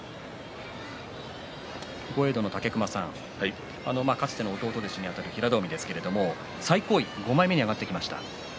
武隈さん、かつての弟弟子にあたる平戸海ですが最高位の５枚目に上がってきました。